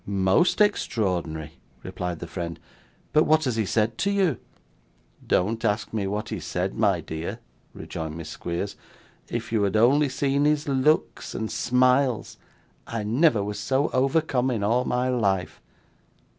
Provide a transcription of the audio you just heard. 'Most extraordinary,' replied the friend. 'But what has he said to you?' 'Don't ask me what he said, my dear,' rejoined Miss Squeers. 'If you had only seen his looks and smiles! I never was so overcome in all my life.